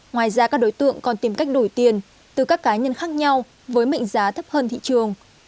ngoài ra các đối tượng còn tìm cách đổi tiền từ các cá nhân khác nhau với mệnh giá thấp hơn thị trường